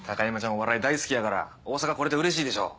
お笑い大好きやから大阪来れてうれしいでしょう。